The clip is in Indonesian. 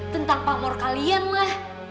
tentang pamor kalian lah